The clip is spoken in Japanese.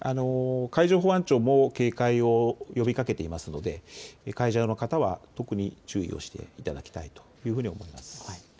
海上保安庁も警戒を呼びかけていますので海上の方は特に注意をしていただきたいというふうに思います。